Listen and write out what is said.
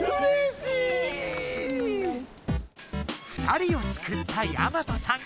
２人を救ったやまとさん